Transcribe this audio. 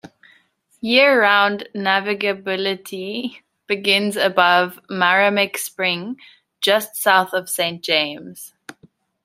Year-round navigability begins above Maramec Spring, just south of Saint James.